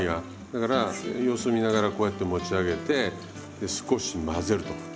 だから様子見ながらこうやって持ち上げてで少し混ぜると。